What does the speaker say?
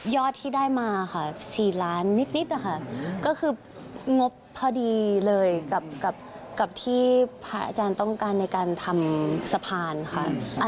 ที่ได้มาค่ะ๔ล้านนิดนะคะก็คืองบพอดีเลยกับที่พระอาจารย์ต้องการในการทำสะพานค่ะ